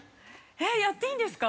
◆えっ、やっていいんですか？